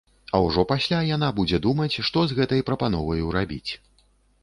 А ўжо пасля яна будзе думаць, што з гэтай прапановаю рабіць.